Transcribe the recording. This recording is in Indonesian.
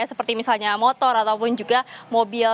seperti misalnya motor ataupun juga mobil